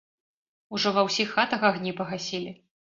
Ужо ва ўсіх хатах агні пагасілі.